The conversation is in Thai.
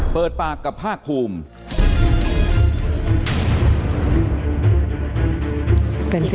เปิดปากกับภาคภูมิ